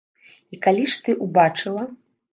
І калі ж ты ўбачыла?